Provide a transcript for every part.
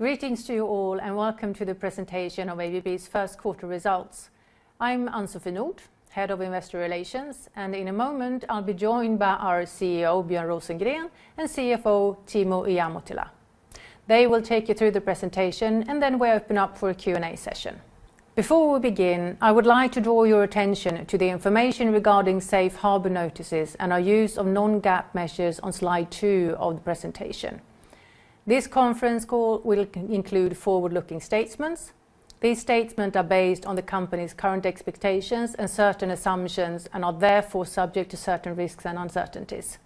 Greetings to you all, and welcome to the presentation of ABB's First Quarter Results. I'm Ann-Sofie Nordh, Head of Investor Relations, and in a moment, I'll be joined by our CEO, Björn Rosengren, and CFO, Timo Ihamuotila. They will take you through the presentation, and then we'll open up for a Q&A session. Before we begin, I would like to draw your attention to the information regarding safe harbor notices and our use of non-GAAP measures on slide two of the presentation. This conference call will include forward-looking statements. These statements are based on the company's current expectations and certain assumptions and are therefore subject to certain risks and uncertainties.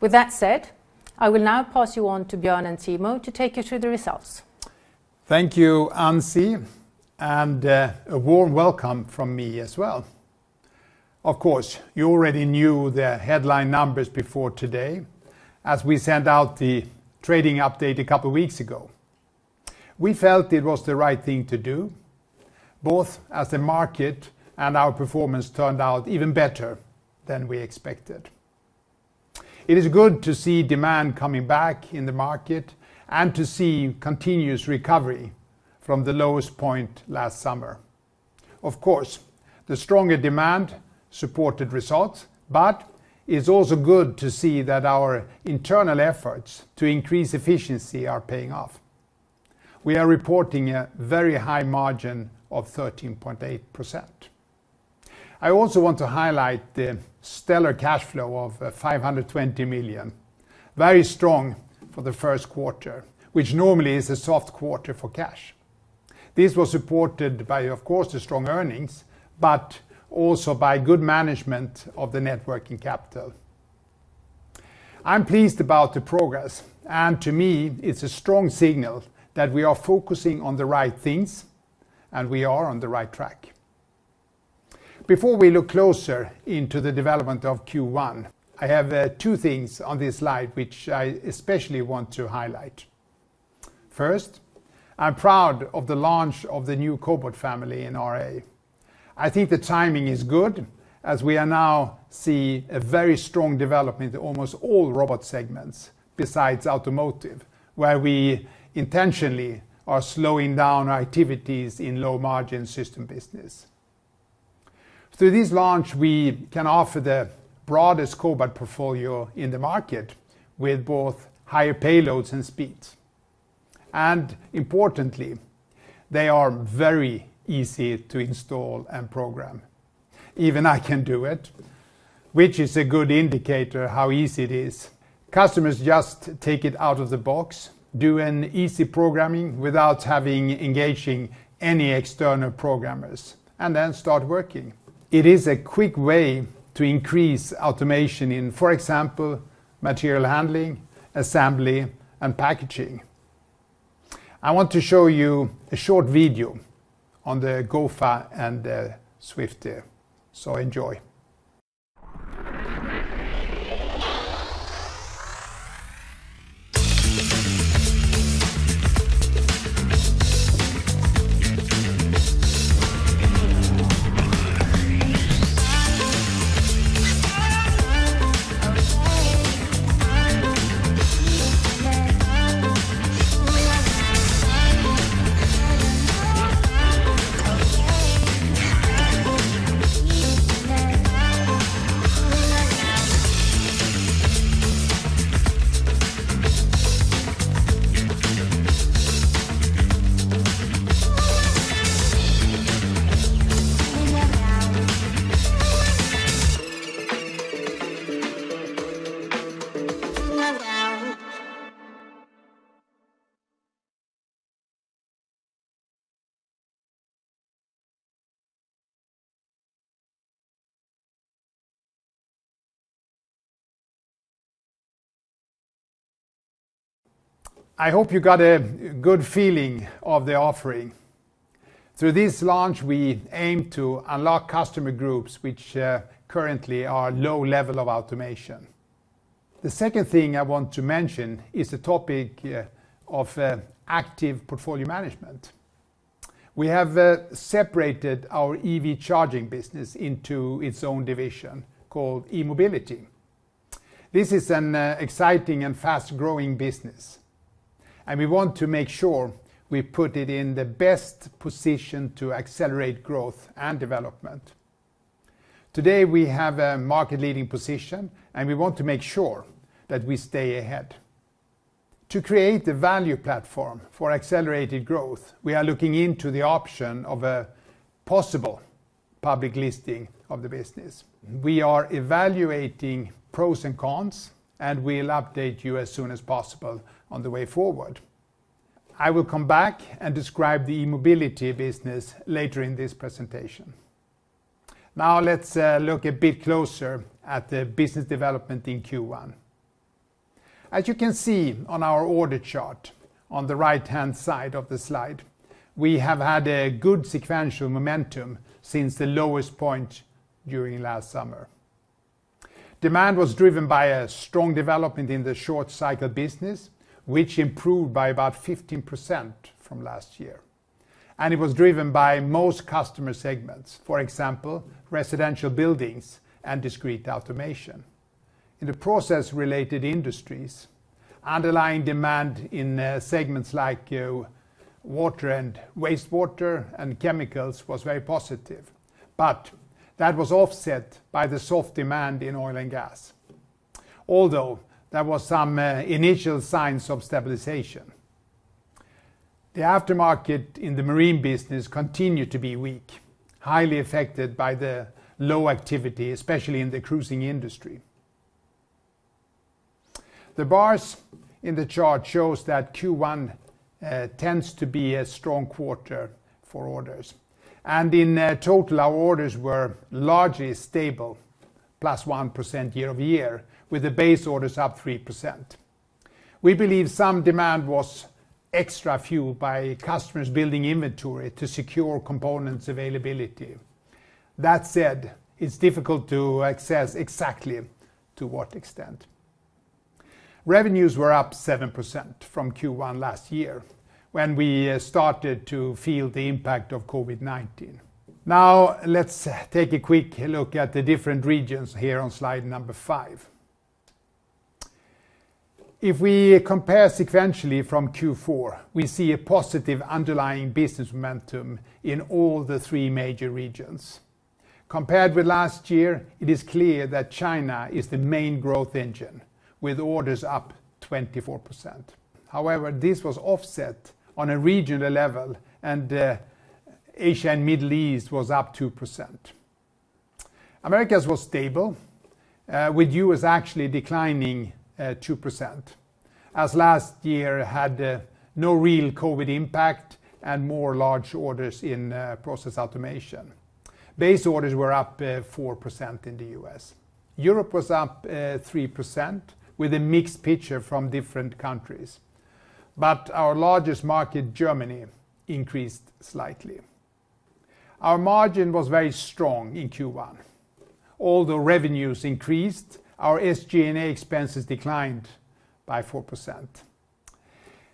With that said, I will now pass you on to Björn and Timo to take you through the results. Thank you, Ann-Sofie, and a warm welcome from me as well. Of course, you already knew the headline numbers before today, as we sent out the trading update a couple of weeks ago. We felt it was the right thing to do, both as the market and our performance turned out even better than we expected. It is good to see demand coming back in the market and to see continuous recovery from the lowest point last summer. Of course, the stronger demand supported results, but it's also good to see that our internal efforts to increase efficiency are paying off. We are reporting a very high margin of 13.8%. I also want to highlight the stellar cash flow of $520 million, very strong for the first quarter, which normally is a soft quarter for cash. This was supported by, of course, the strong earnings, but also by good management of the net working capital. I'm pleased about the progress, and to me, it's a strong signal that we are focusing on the right things, and we are on the right track. Before we look closer into the development of Q1, I have two things on this slide, which I especially want to highlight. First, I'm proud of the launch of the new cobot family in RA. I think the timing is good as we are now see a very strong development in almost all robot segments besides automotive, where we intentionally are slowing down our activities in low-margin system business. Through this launch, we can offer the broadest cobot portfolio in the market with both higher payloads and speeds. Importantly, they are very easy to install and program. Even I can do it, which is a good indicator how easy it is. Customers just take it out of the box, do an easy programming without having engaging any external programmers, and then start working. It is a quick way to increase automation in, for example, material handling, assembly, and packaging. I want to show you a short video on the GoFa and the SWIFTI there. Enjoy. I hope you got a good feeling of the offering. Through this launch, we aim to unlock customer groups which currently are low level of automation. The second thing I want to mention is the topic of active portfolio management. We have separated our EV charging business into its own division called E-Mobility. This is an exciting and fast-growing business, and we want to make sure we put it in the best position to accelerate growth and development. Today, we have a market leading position, and we want to make sure that we stay ahead. To create the value platform for accelerated growth, we are looking into the option of a possible public listing of the business. We are evaluating pros and cons, and we'll update you as soon as possible on the way forward. I will come back and describe the E-Mobility business later in this presentation. Let's look a bit closer at the business development in Q1. As you can see on our order chart on the right-hand side of the slide, we have had a good sequential momentum since the lowest point during last summer. Demand was driven by a strong development in the short cycle business, which improved by about 15% from last year, and it was driven by most customer segments, for example, residential buildings and discrete automation. In the process-related industries, underlying demand in segments like water and wastewater and chemicals was very positive, but that was offset by the soft demand in oil and gas, although there were some initial signs of stabilization. The aftermarket in the marine business continued to be weak, highly affected by the low activity, especially in the cruising industry. The bars in the chart shows that Q1 tends to be a strong quarter for orders, and in total, our orders were largely stable, plus 1% year-over-year, with the base orders up 3%. We believe some demand was extra fueled by customers building inventory to secure components availability. That said, it's difficult to assess exactly to what extent. Revenues were up 7% from Q1 last year, when we started to feel the impact of COVID-19. Now let's take a quick look at the different regions here on slide number five. If we compare sequentially from Q4, we see a positive underlying business momentum in all the three major regions. Compared with last year, it is clear that China is the main growth engine, with orders up 24%. However, this was offset on a regional level, and Asia and Middle East was up 2%. Americas was stable, with U.S. actually declining 2%, as last year had no real COVID impact and more large orders in process automation. Base orders were up 4% in the U.S. Europe was up 3% with a mixed picture from different countries. Our largest market, Germany, increased slightly. Our margin was very strong in Q1. Although revenues increased, our SG&A expenses declined by 4%.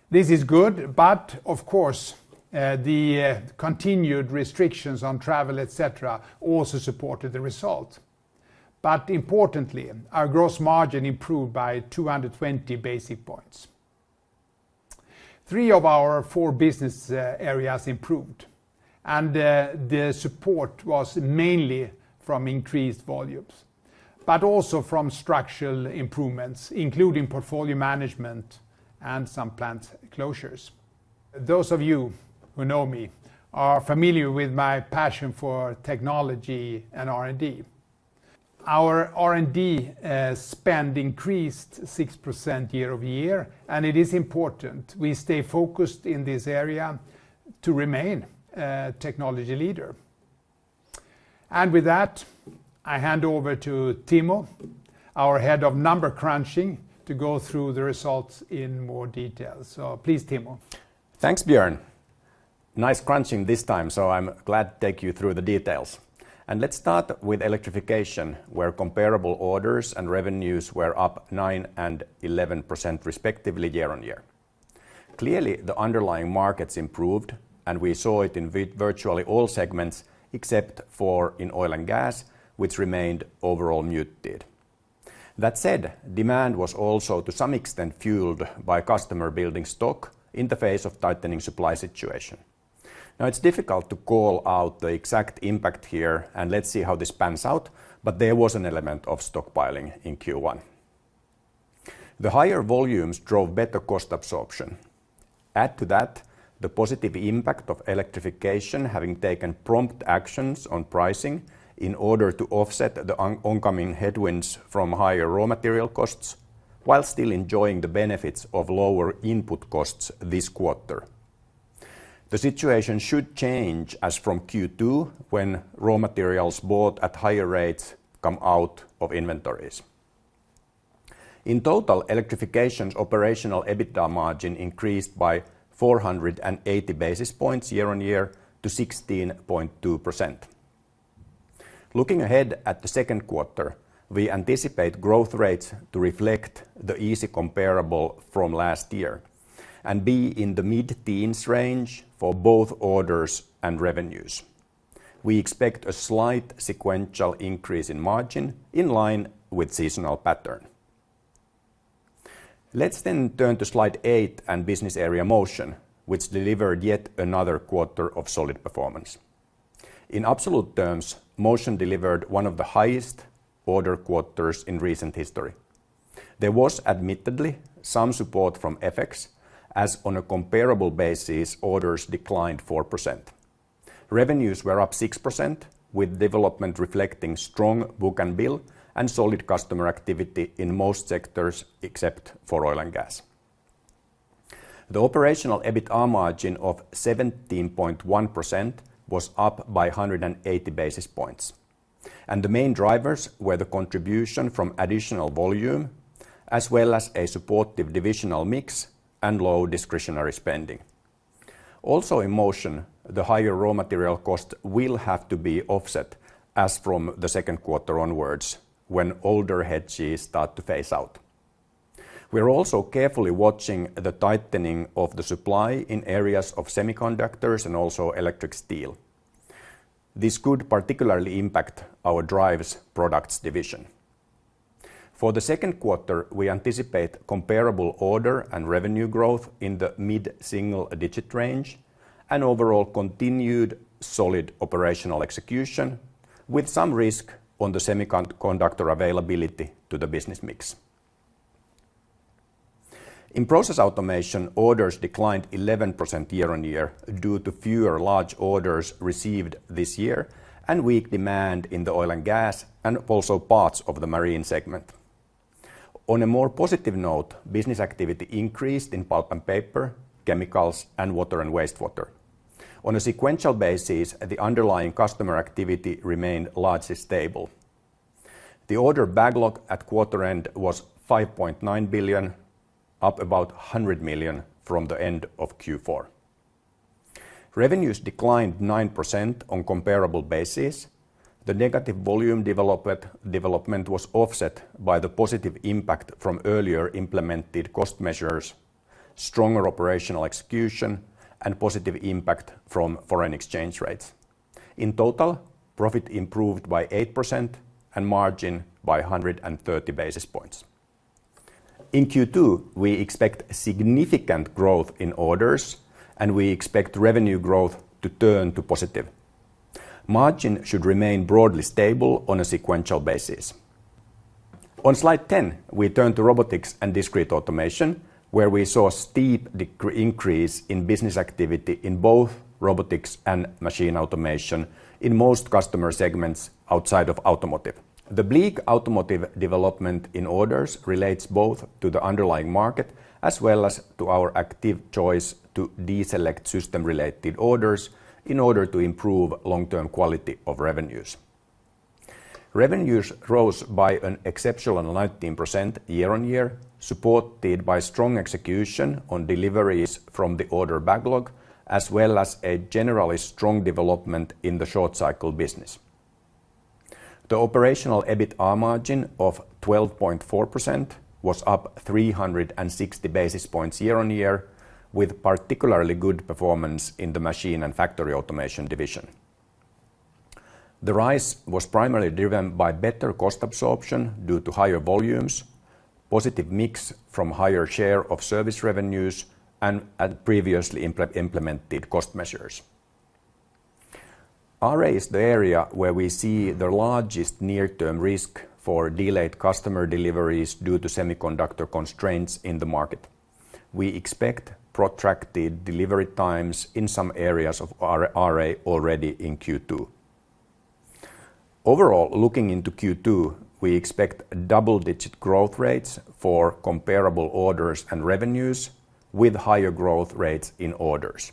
This is good, but of course, the continued restrictions on travel, et cetera, also supported the result. Importantly, our gross margin improved by 220 basis points. Three of our four business areas improved, and the support was mainly from increased volumes, but also from structural improvements, including portfolio management and some plant closures. Those of you who know me are familiar with my passion for technology and R&D. Our R&D spend increased 6% year-over-year, and it is important we stay focused in this area to remain a technology leader. With that, I hand over to Timo, our head of number crunching, to go through the results in more detail. Please, Timo. Thanks, Björn. Nice crunching this time, so I'm glad to take you through the details. Let's start with Electrification, where comparable orders and revenues were up 9% and 11% respectively year on year. Clearly, the underlying markets improved, and we saw it in virtually all segments except for in oil and gas, which remained overall muted. That said, demand was also to some extent fueled by customer building stock in the face of tightening supply situation. Now, it's difficult to call out the exact impact here, and let's see how this pans out, but there was an element of stockpiling in Q1. The higher volumes drove better cost absorption. Add to that the positive impact of Electrification having taken prompt actions on pricing in order to offset the oncoming headwinds from higher raw material costs while still enjoying the benefits of lower input costs this quarter. The situation should change as from Q2 when raw materials bought at higher rates come out of inventories. In total, Electrification operational EBITDA margin increased by 480 basis points year-on-year to 16.2%. Looking ahead at the second quarter, we anticipate growth rates to reflect the easy comparable from last year and be in the mid-teens range for both orders and revenues. We expect a slight sequential increase in margin in line with seasonal pattern. Let's turn to slide eight and business area Motion, which delivered yet another quarter of solid performance. In absolute terms, Motion delivered one of the highest order quarters in recent history. There was admittedly some support from FX, as on a comparable basis, orders declined 4%. Revenues were up 6%, with development reflecting strong book-to-bill and solid customer activity in most sectors except for oil and gas. The operational EBITDA margin of 17.1% was up by 180 basis points, and the main drivers were the contribution from additional volume as well as a supportive divisional mix and low discretionary spending. Also in Motion, the higher raw material cost will have to be offset as from the second quarter onwards, when older hedges start to phase out. We're also carefully watching the tightening of the supply in areas of semiconductors and also electrical steel. This could particularly impact our drives products division. For the second quarter, we anticipate comparable order and revenue growth in the mid-single digit range and overall continued solid operational execution with some risk on the semiconductor availability to the business mix. In process automation, orders declined 11% year on year due to fewer large orders received this year and weak demand in the oil and gas, and also parts of the marine segment. On a more positive note, business activity increased in pulp and paper, chemicals, and water and wastewater. On a sequential basis, the underlying customer activity remained largely stable. The order backlog at quarter end was $5.9 billion, up about $100 million from the end of Q4. Revenues declined 9% on comparable basis. The negative volume development was offset by the positive impact from earlier implemented cost measures, stronger operational execution, and positive impact from foreign exchange rates. In total, profit improved by 8% and margin by 130 basis points. In Q2, we expect significant growth in orders and we expect revenue growth to turn to positive. Margin should remain broadly stable on a sequential basis. On slide 10, we turn to robotics and discrete automation, where we saw a steep increase in business activity in both robotics and machine automation in most customer segments outside of automotive. The bleak automotive development in orders relates both to the underlying market as well as to our active choice to deselect system-related orders in order to improve long-term quality of revenues. Revenues rose by an exceptional 19% year-over-year, supported by strong execution on deliveries from the order backlog, as well as a generally strong development in the short cycle business. The operational EBITDA margin of 12.4% was up 360 basis points year-over-year, with particularly good performance in the machine and factory automation division. The rise was primarily driven by better cost absorption due to higher volumes, positive mix from higher share of service revenues, and previously implemented cost measures. RA is the area where we see the largest near-term risk for delayed customer deliveries due to semiconductor constraints in the market. We expect protracted delivery times in some areas of RA already in Q2. Overall, looking into Q2, we expect double-digit growth rates for comparable orders and revenues with higher growth rates in orders.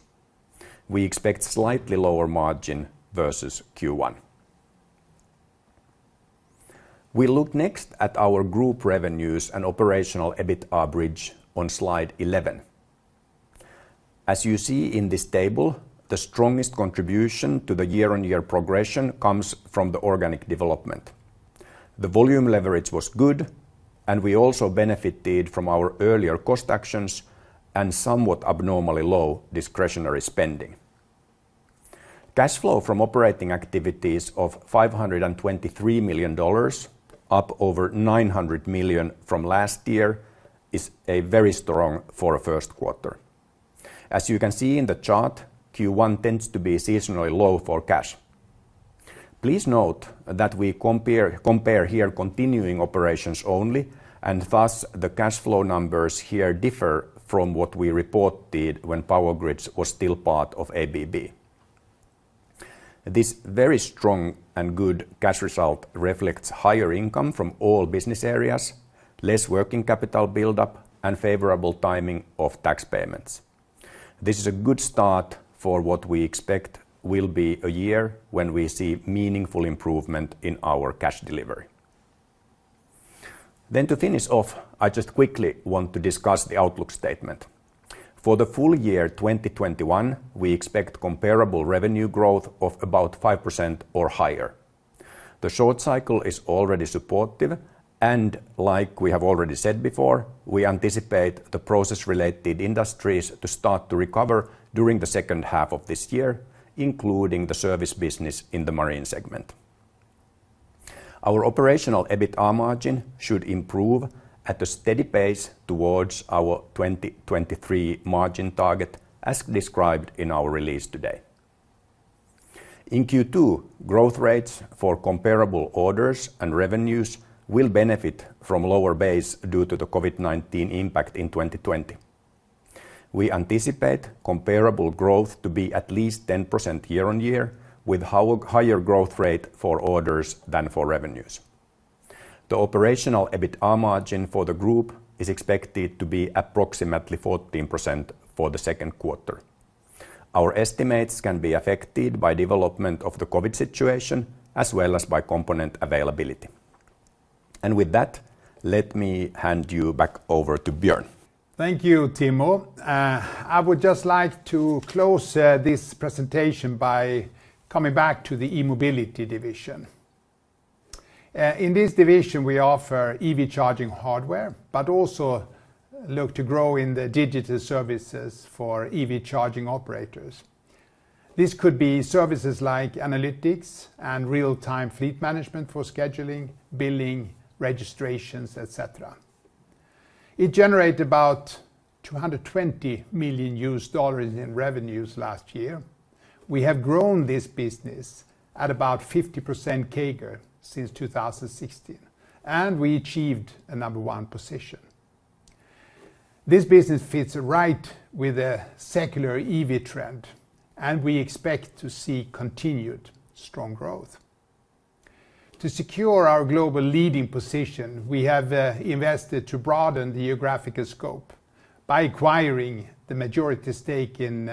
We expect slightly lower margin versus Q1. We look next at our group revenues and operational EBITDA bridge on slide 11. As you see in this table, the strongest contribution to the year-on-year progression comes from the organic development. The volume leverage was good, and we also benefited from our earlier cost actions and somewhat abnormally low discretionary spending. Cash flow from operating activities of $523 million, up over $900 million from last year, is very strong for a first quarter. As you can see in the chart, Q1 tends to be seasonally low for cash. Please note that we compare here continuing operations only, and thus the cash flow numbers here differ from what we reported when Power Grids was still part of ABB. This very strong and good cash result reflects higher income from all business areas, less working capital buildup, and favorable timing of tax payments. This is a good start for what we expect will be a year when we see meaningful improvement in our cash delivery. To finish off, I just quickly want to discuss the outlook statement. For the full year 2021, we expect comparable revenue growth of about 5% or higher. The short cycle is already supportive, and like we have already said before, we anticipate the process-related industries to start to recover during the second half of this year, including the service business in the marine segment. Our operational EBITDA margin should improve at a steady pace towards our 2023 margin target, as described in our release today. In Q2, growth rates for comparable orders and revenues will benefit from lower base due to the COVID-19 impact in 2020. We anticipate comparable growth to be at least 10% year-on-year, with higher growth rate for orders than for revenues. The operational EBITDA margin for the group is expected to be approximately 14% for the second quarter. Our estimates can be affected by development of the COVID situation as well as by component availability. With that, let me hand you back over to Björn. Thank you, Timo. I would just like to close this presentation by coming back to the E-Mobility division. In this division, we offer EV charging hardware, but also look to grow in the digital services for EV charging operators. This could be services like analytics and real-time fleet management for scheduling, billing, registrations, et cetera. It generated about $220 million in revenues last year. We have grown this business at about 50% CAGR since 2016, and we achieved a number one position. This business fits right with the secular EV trend, and we expect to see continued strong growth. To secure our global leading position, we have invested to broaden the geographical scope by acquiring the majority stake in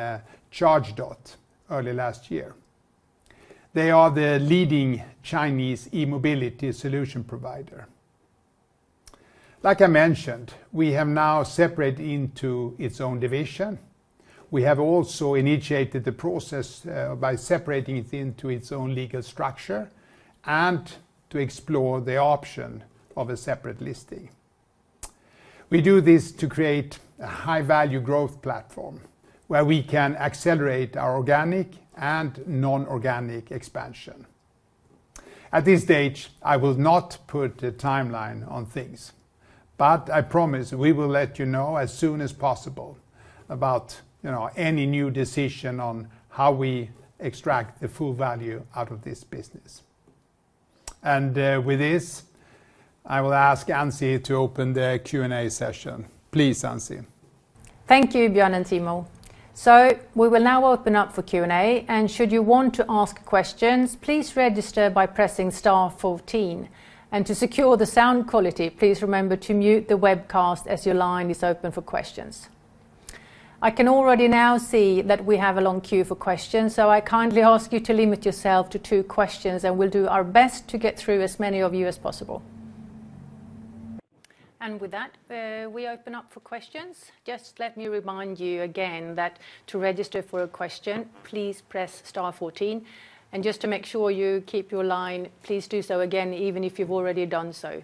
Chargedot early last year. They are the leading Chinese e-mobility solution provider. Like I mentioned, we have now separated into its own division. We have also initiated the process by separating it into its own legal structure and to explore the option of a separate listing. We do this to create a high-value growth platform where we can accelerate our organic and non-organic expansion. At this stage, I will not put a timeline on things, but I promise we will let you know as soon as possible about any new decision on how we extract the full value out of this business. With this, I will ask Ann-Sofie to open the Q&A session. Please, Ann-Sofie. Thank you, Björn and Timo. We will now open up for Q&A, and should you want to ask questions, please register by pressing star 14. To secure the sound quality, please remember to mute the webcast as your line is open for questions. I can already now see that we have a long queue for questions, so I kindly ask you to limit yourself to two questions, and we'll do our best to get through as many of you as possible. With that, we open up for questions. Just let me remind you again that to register for a question, please press star 14. Just to make sure you keep your line, please do so again, even if you've already done so.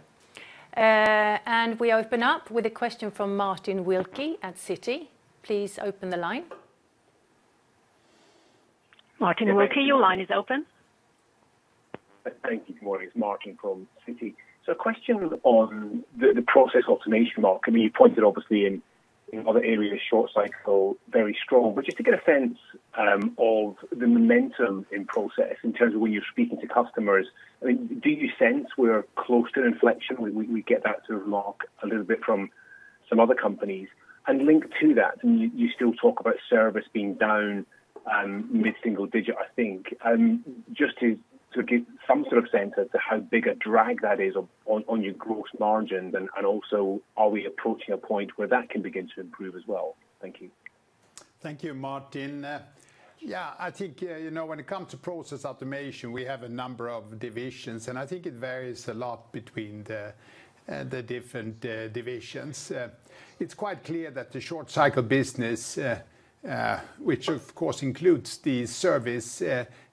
We open up with a question from Martin Wilkie at Citi. Please open the line. Martin Wilkie, your line is open. Thank you. Good morning. It's Martin from Citi. A question on the process automation market. I mean, you pointed obviously in other areas, short cycle, very strong. Just to get a sense of the momentum in process in terms of when you're speaking to customers, I mean, do you sense we're close to an inflection? We get that sort of mark a little bit from some other companies. Linked to that, you still talk about service being down mid-single digit, I think. Just to get some sort of sense as to how big a drag that is on your gross margins, and also are we approaching a point where that can begin to improve as well? Thank you. Thank you, Martin. Yeah, I think, when it comes to process automation, we have a number of divisions, and I think it varies a lot between the different divisions. It's quite clear that the short cycle business, which of course includes the service,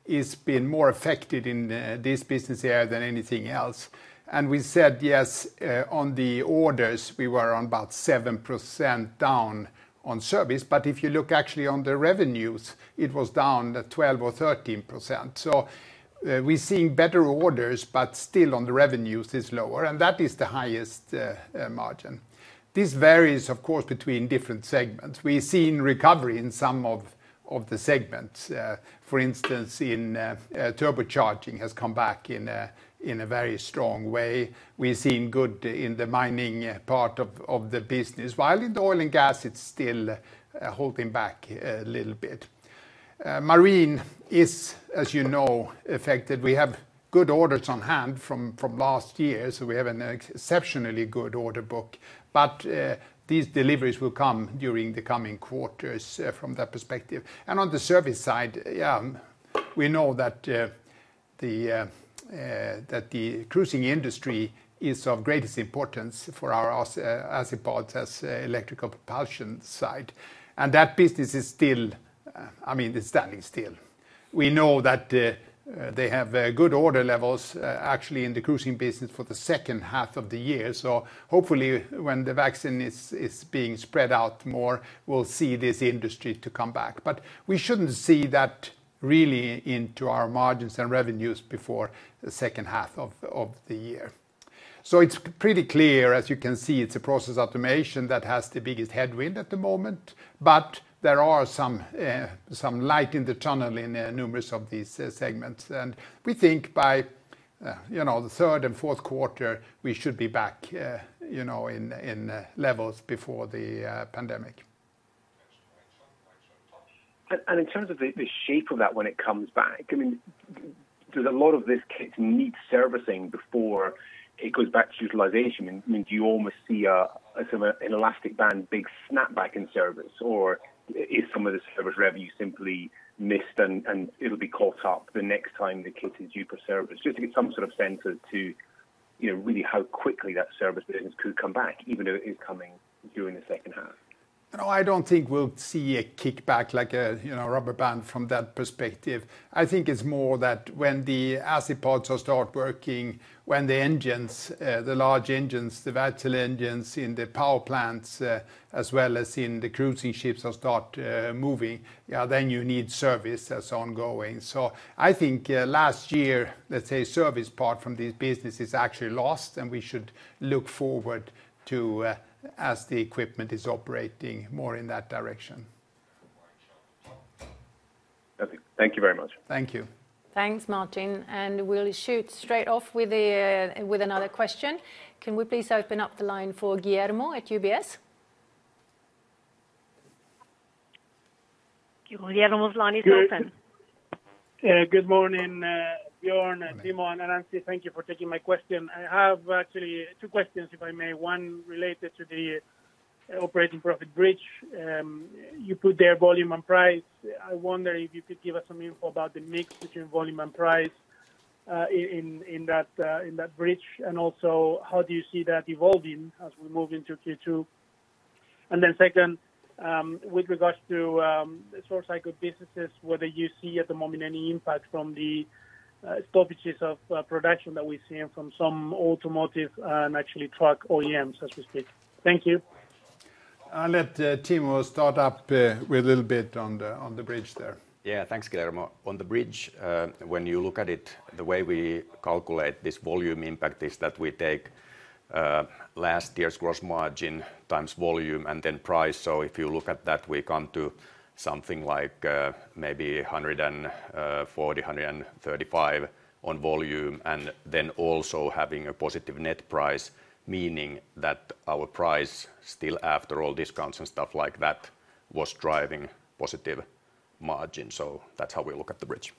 has been more affected in this business area than anything else. We said, yes, on the orders, we were on about 7% down on service. If you look actually on the revenues, it was down at 12% or 13%. We're seeing better orders, but still on the revenues, it's lower, and that is the highest margin. This varies, of course, between different segments. We're seeing recovery in some of the segments. For instance, in turbocharging has come back in a very strong way. We're seeing good in the mining part of the business, while in the oil and gas it's still holding back a little bit. Marine is, as you know, affected. We have good orders on hand from last year, so we have an exceptionally good order book. These deliveries will come during the coming quarters, from that perspective. On the service side, we know that the cruising industry is of greatest importance for our Azipod's electrical propulsion side, and that business is still standing still. We know that they have good order levels, actually, in the cruising business for the second half of the year. Hopefully when the vaccine is being spread out more, we'll see this industry to come back. We shouldn't see that really into our margins and revenues before the second half of the year. it's pretty clear, as you can see, it's the process automation that has the biggest headwind at the moment. there are some light in the tunnel in numerous of these segments, and we think by the third and fourth quarter, we should be back in levels before the pandemic. In terms of the shape of that when it comes back, I mean, does a lot of this kit need servicing before it goes back to utilization? I mean, do you almost see an elastic band big snapback in service, or is some of the service revenue simply missed, and it'll be caught up the next time the kit is due for service? Just to get some sort of sense as to really how quickly that service business could come back, even though it is coming during the second half. No, I don't think we'll see a kickback like a rubber band from that perspective. I think it's more that when the Azipods will start working, when the large engines, the Wärtsilä engines in the power plants, as well as in the cruising ships will start moving, then you need service that's ongoing. I think last year, let's say, service part from this business is actually lost, and we should look forward to as the equipment is operating more in that direction. Perfect. Thank you very much. Thank you. Thanks, Martin, and we'll shoot straight off with another question. Can we please open up the line for Guillermo at UBS? Guillermo's line is open. Good morning, Björn, Timo, and Ann-Sofie. Thank you for taking my question. I have actually two questions, if I may. One related to the operating profit bridge. You put there volume and price. I wonder if you could give us some info about the mix between volume and price in that bridge, and also, how do you see that evolving as we move into Q2? Second, with regards to short-cycle businesses, whether you see at the moment any impact from the stoppages of production that we're seeing from some automotive and actually truck OEMs, so to speak. Thank you. I'll let Timo start up with a little bit on the bridge there. Yeah, thanks, Guillermo. On the bridge, when you look at it, the way we calculate this volume impact is that we take last year's gross margin times volume and then price. If you look at that, we come to something like maybe 140,000, 135,000 on volume, and then also having a positive net price, meaning that our price, still after all discounts and stuff like that, was driving positive margin. That's how we look at the bridge.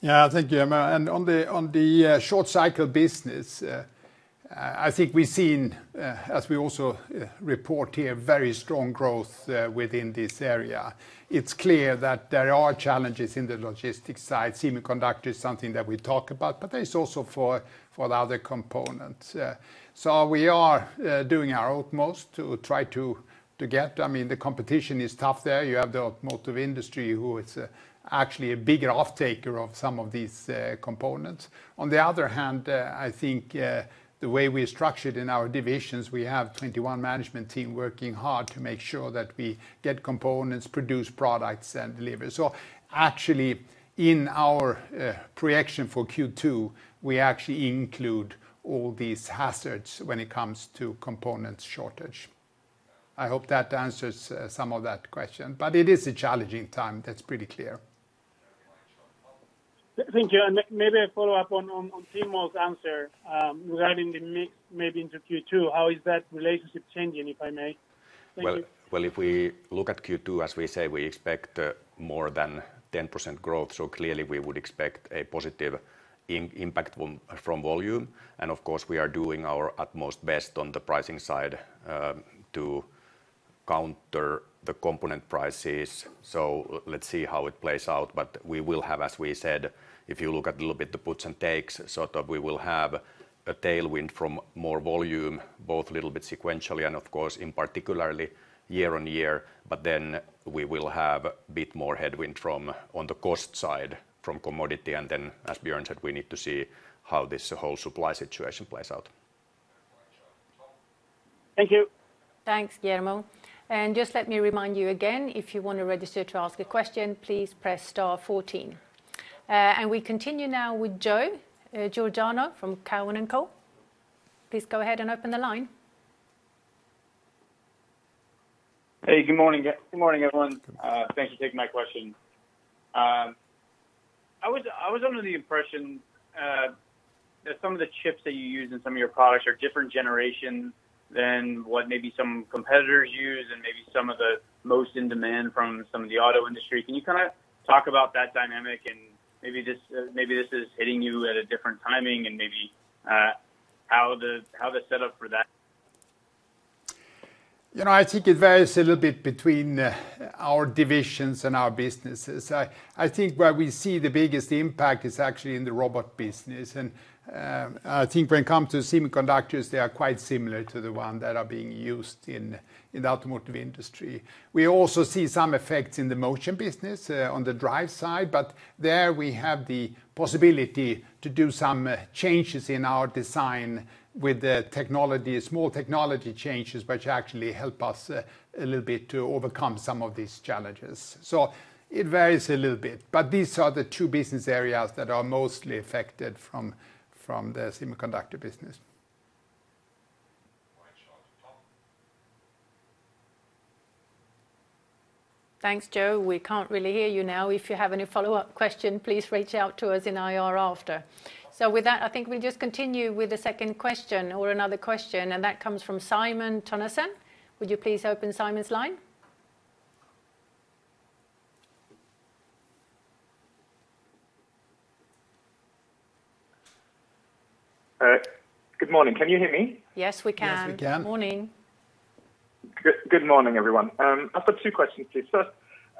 Yeah, thank you, Guillermo. On the short cycle business, I think we've seen, as we also report here, very strong growth within this area. It's clear that there are challenges in the logistics side. Semiconductor is something that we talk about, but there is also for the other components. We are doing our utmost to try to get. The competition is tough there. You have the automotive industry, who is actually a bigger off-taker of some of these components. On the other hand, I think, the way we're structured in our divisions, we have 21 management team working hard to make sure that we get components, produce products, and deliver. Actually, in our projection for Q2, we actually include all these hazards when it comes to components shortage. I hope that answers some of that question, but it is a challenging time. That's pretty clear. Thank you. Maybe a follow-up on Timo's answer regarding maybe into Q2. How is that relationship changing, if I may? Thank you. Well, if we look at Q2, as we say, we expect more than 10% growth. Clearly, we would expect a positive impact from volume. Of course, we are doing our utmost best on the pricing side to counter the component prices. Let's see how it plays out. We will have, as we said, if you look at a little bit the puts and takes, sort of, we will have a tailwind from more volume, both a little bit sequentially and, of course, in particularly year-over-year. We will have a bit more headwind on the cost side from commodity, and then, as Björn said, we need to see how this whole supply situation plays out. Thank you. Thanks, Guillermo. Just let me remind you again, if you want to register to ask a question, please press star 14. We continue now with Joe Giordano from Cowen & Co. Please go ahead and open the line. Hey, good morning, everyone. Thank you for taking my question. I was under the impression that some of the chips that you use in some of your products are different generations than what maybe some competitors use and maybe some of the most in demand from some of the auto industry. Can you talk about that dynamic and maybe this is hitting you at a different timing and maybe how the setup for that? I think it varies a little bit between our divisions and our businesses. I think where we see the biggest impact is actually in the robot business. I think when it comes to semiconductors, they are quite similar to the ones that are being used in the automotive industry. We also see some effects in the motion business, on the drive side, but there we have the possibility to do some changes in our design with the technology, small technology changes, which actually help us a little bit to overcome some of these challenges. It varies a little bit, but these are the two business areas that are mostly affected from the semiconductor business. Thanks, Joe. We can't really hear you now. If you have any follow-up question, please reach out to us in IR after. With that, I think we'll just continue with the second question or another question, and that comes from Simon Tønnesen. Would you please open Simon's line? Good morning. Can you hear me? Yes, we can. Yes, we can. Morning. Good morning, everyone. I've got two questions, please. First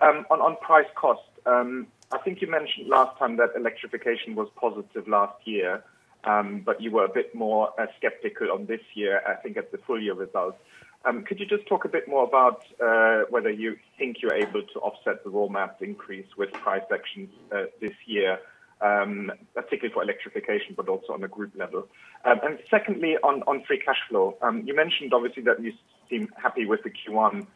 on price costs. I think you mentioned last time that electrification was positive last year, but you were a bit more skeptical on this year, I think at the full year results. Could you just talk a bit more about whether you think you're able to offset the raw materials increase with price actions this year, particularly for electrification, but also on a group level? Secondly, on free cash flow. You mentioned, obviously, that you seem happy with the Q1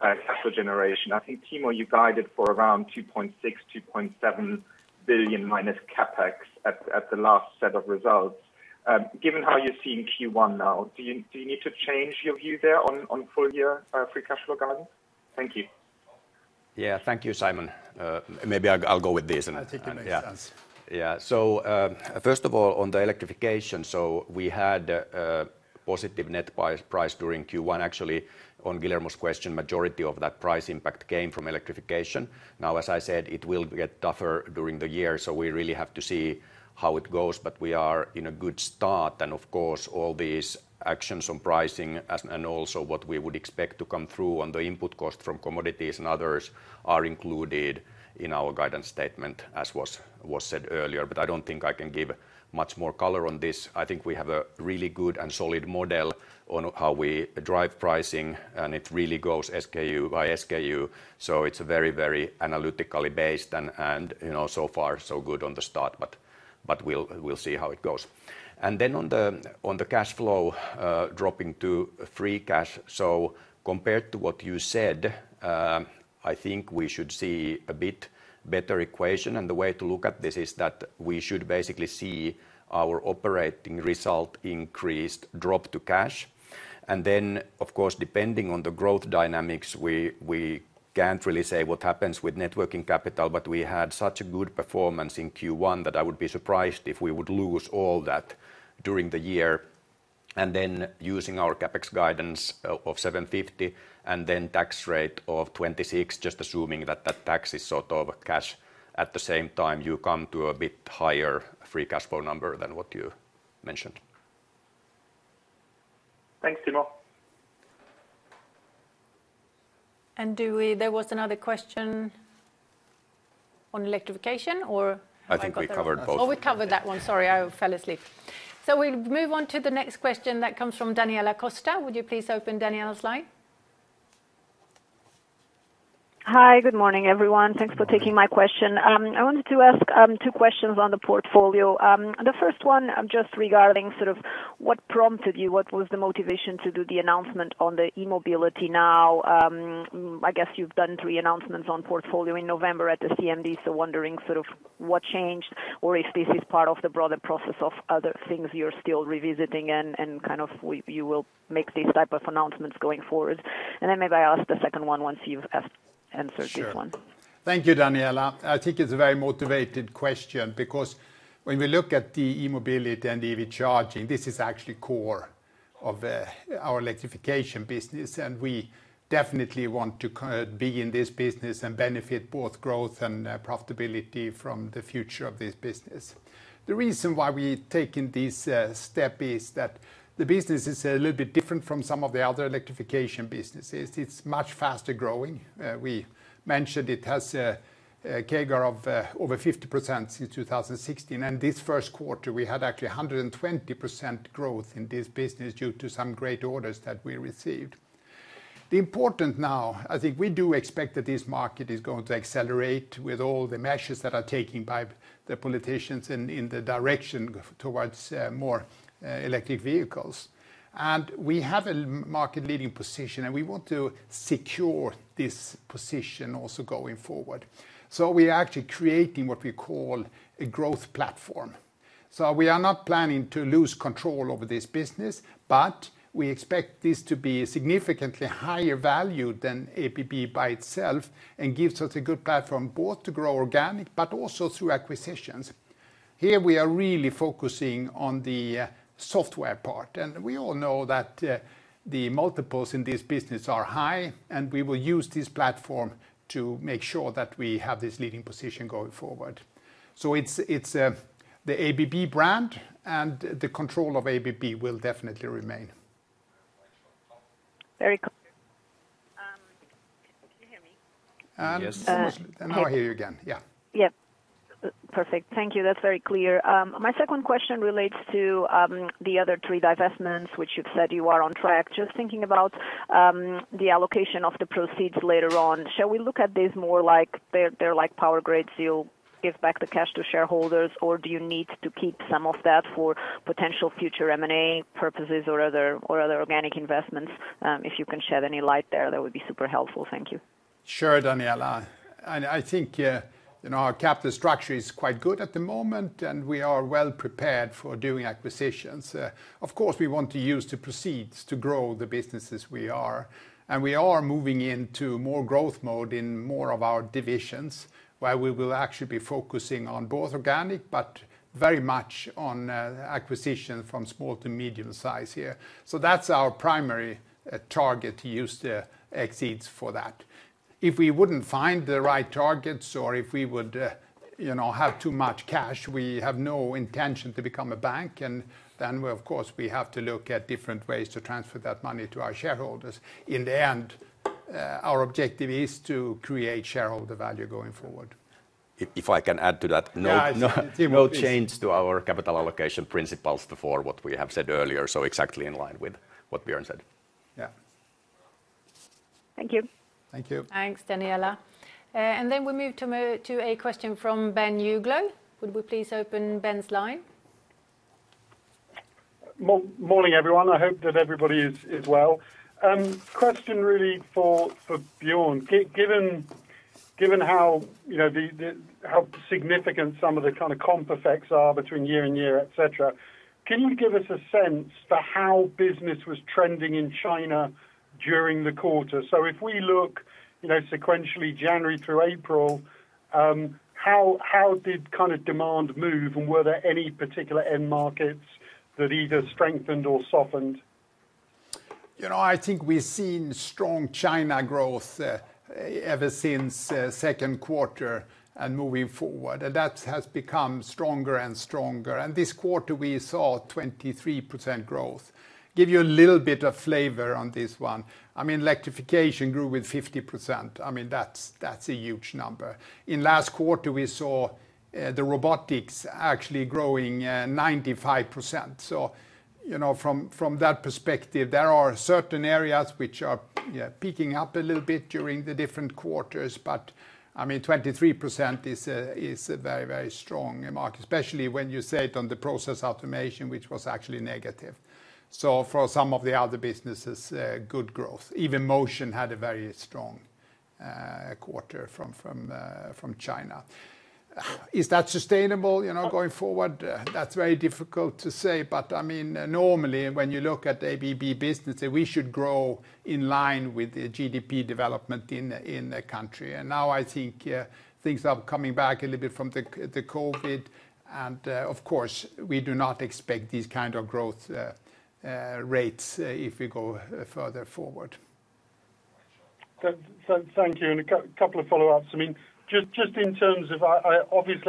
cash flow generation. I think, Timo, you guided for around $2.6-2.7 billion minus CapEx at the last set of results. Given how you're seeing Q1 now, do you need to change your view there on full-year free cash flow guidance? Thank you. Yeah. Thank you, Simon. Maybe I'll go with this I think it makes sense. Yeah. first of all, on the electrification, so we had a positive net price during Q1. Actually, on Guillermo's question, majority of that price impact came from electrification. Now, as I said, it will get tougher during the year, so we really have to see how it goes, but we are in a good start. Of course, all these actions on pricing and also what we would expect to come through on the input cost from commodities and others are included in our guidance statement, as was said earlier. I don't think I can give much more color on this. I think we have a really good and solid model on how we drive pricing, and it really goes SKU by SKU. It's very, very analytically based and so far so good on the start, but we'll see how it goes. on the cash flow, dropping to free cash. compared to what you said, I think we should see a bit better equation. the way to look at this is that we should basically see our operating result increased drop to cash. of course, depending on the growth dynamics, we can't really say what happens with net working capital, but we had such a good performance in Q1 that I would be surprised if we would lose all that during the year. using our CapEx guidance of 750 and then tax rate of 26, just assuming that that tax is sort of cash at the same time, you come to a bit higher free cash flow number than what you mentioned. Thanks, Timo. There was another question on electrification, or am I- I think we covered both Oh, we covered that one. Sorry, I fell asleep. We'll move on to the next question that comes from Daniela Costa. Would you please open Daniela's line? Hi. Good morning, everyone. Thanks for taking my question. I wanted to ask two questions on the portfolio. The first one just regarding sort of what prompted you, what was the motivation to do the announcement on the e-mobility now? I guess you've done three announcements on portfolio in November at the CMD, so wondering sort of what changed, or if this is part of the broader process of other things you're still revisiting and kind of you will make these type of announcements going forward. maybe I ask the second one once you've answered this one. Sure. Thank you, Daniela. I think it's a very motivated question because when we look at the E-Mobility and EV charging, this is actually core of our electrification business, and we definitely want to be in this business and benefit both growth and profitability from the future of this business. The reason why we've taken this step is that the business is a little bit different from some of the other electrification businesses. It's much faster growing. We mentioned it has a CAGR of over 50% since 2016. This first quarter, we had actually 120% growth in this business due to some great orders that we received. The important now, I think we do expect that this market is going to accelerate with all the measures that are taken by the politicians in the direction towards more electric vehicles. We have a market-leading position, and we want to secure this position also going forward. We are actually creating what we call a growth platform. We are not planning to lose control over this business, but we expect this to be a significantly higher value than ABB by itself and gives us a good platform both to grow organic, but also through acquisitions. Here we are really focusing on the software part. We all know that the multiples in this business are high, and we will use this platform to make sure that we have this leading position going forward. It's the ABB brand and the control of ABB will definitely remain. Very clear. Can you hear me? Yes. Now I hear you again. Yeah. Yeah. Perfect. Thank you. That's very clear. My second question relates to the other three divestments, which you've said you are on track. Just thinking about the allocation of the proceeds later on. Shall we look at this more like they're like Power Grids, you'll give back the cash to shareholders, or do you need to keep some of that for potential future M&A purposes or other organic investments? If you can shed any light there, that would be super helpful. Thank you. Sure, Daniela. I think our capital structure is quite good at the moment, and we are well prepared for doing acquisitions. Of course, we want to use the proceeds to grow the businesses we are. We are moving into more growth mode in more of our divisions, where we will actually be focusing on both organic, but very much on acquisition from small to medium size here. That's our primary target, to use the excess for that. If we wouldn't find the right targets or if we would have too much cash, we have no intention to become a bank, and then, of course, we have to look at different ways to transfer that money to our shareholders. In the end, our objective is to create shareholder value going forward. If I can add to that- Yeah. No change to our capital allocation principles before what we have said earlier, so exactly in line with what Björn said. Yeah. Thank you. Thank you. Thanks, Daniela. We move to a question from Ben Uglow. Would we please open Ben's line? Morning, everyone. I hope that everybody is well. Question really for Björn. Given how significant some of the kind of comp effects are between year and year, et cetera, can you give us a sense for how business was trending in China during the quarter? If we look sequentially January through April, how did demand move, and were there any particular end markets that either strengthened or softened? I think we've seen strong China growth ever since second quarter and moving forward. That has become stronger and stronger. This quarter we saw 23% growth. Give you a little bit of flavor on this one. Electrification grew with 50%. That's a huge number. In last quarter, we saw the robotics actually growing 95%. From that perspective, there are certain areas which are peaking up a little bit during the different quarters. 23% is a very strong mark, especially when you say it on the process automation, which was actually negative. For some of the other businesses, good growth. Even Motion had a very strong quarter from China. Is that sustainable going forward? That's very difficult to say. Normally, when you look at ABB business, we should grow in line with the GDP development in the country. Now I think things are coming back a little bit from the COVID, and of course, we do not expect these kind of growth rates if we go further forward. Thank you, and a couple of follow-ups. Obviously,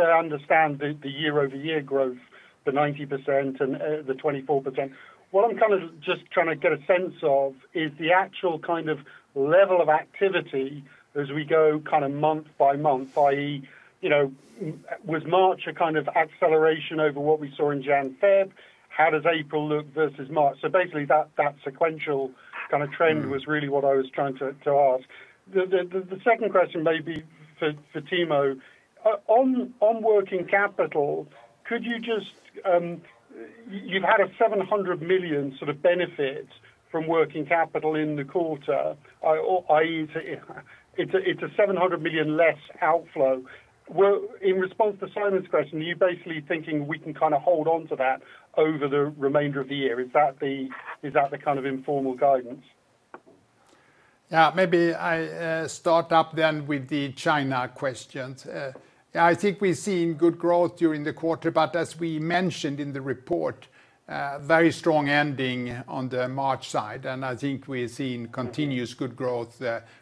I understand the year-over-year growth, the 90% and the 24%. What I'm kind of just trying to get a sense of is the actual kind of level of activity as we go month by month, i.e., was March a kind of acceleration over what we saw in January, February? How does April look versus March? Basically that sequential kind of trend was really what I was trying to ask. The second question may be for Timo. On working capital, you've had a $700 million sort of benefit from working capital in the quarter, i.e., it's a $700 million less outflow. In response to Simon's question, are you basically thinking we can kind of hold onto that over the remainder of the year? Is that the kind of informal guidance? Yeah, maybe I start up then with the China questions. I think we've seen good growth during the quarter, but as we mentioned in the report, very strong ending on the March side. I think we've seen continuous good growth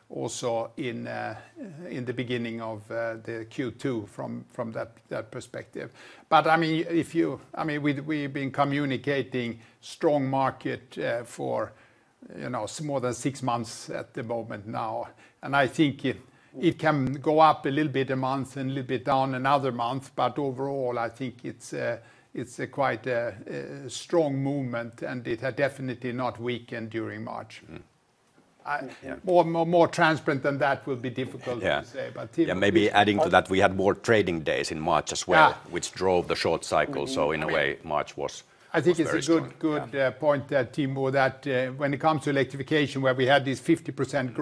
also in the beginning of the Q2 from that perspective. We've been communicating strong market for more than six months at the moment now. I think it can go up a little bit a month and a little bit down another month. Overall, I think it's quite a strong movement, and it had definitely not weakened during March. Mm-hmm. Yeah. More transparent than that will be difficult to say, but Timo- Yeah. Maybe adding to that, we had more trading days in March as well Yeah Which drove the short cycle. In a way, March was very strong. I think it's a good point there, Timo, that when it comes to electrification where we had this 50%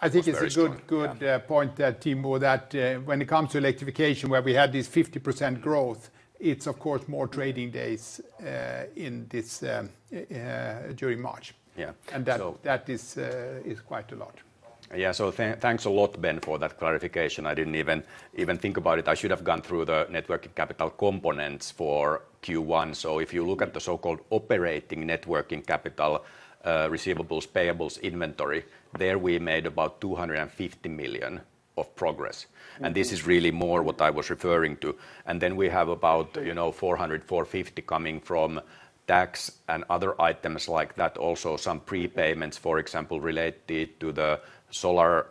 growth, it's of course more trading days during March. Yeah. That is quite a lot. Yeah. Thanks a lot, Ben, for that clarification. I didn't even think about it. I should have gone through the network capital components for Q1. If you look at the so-called operating net working capital, receivables, payables, inventory, there we made about $250 million of progress. This is really more what I was referring to. We have about $400, $450 coming from tax and other items like that. Also, some prepayments, for example, related to the solar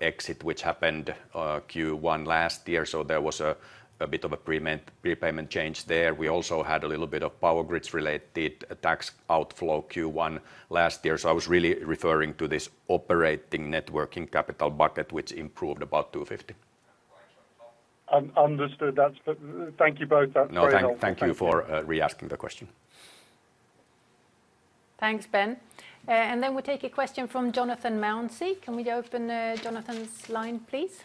exit, which happened Q1 last year, so there was a bit of a prepayment change there. We also had a little bit of Power Grids-related tax outflow Q1 last year. I was really referring to this operating net working capital bucket, which improved about $250. Understood. Thank you both. That's very helpful. Thank you. No, thank you for re-asking the question. Thanks, Ben. We'll take a question from Jonathan Mounsey. Can we open Jonathan's line, please?